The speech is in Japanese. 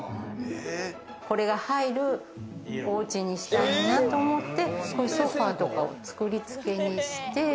これが入るお家にしたいなと思って、ソファとかを造り付けにして。